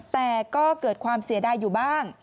แต่ก็เกิดความเสียดายอยู่บ้าง